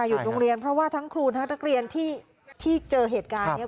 หยุดโรงเรียนเพราะว่าทั้งครูทั้งนักเรียนที่เจอเหตุการณ์นี้